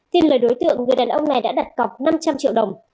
tin lời đối tượng người đàn ông này đã đặt cọc năm trăm linh triệu đồng